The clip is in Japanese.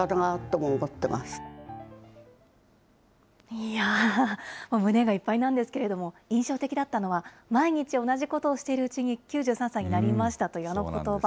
いやー、胸がいっぱいなんですけれども、印象的だったのは、毎日同じことをしているうちに、９３歳になりましたというあのことば。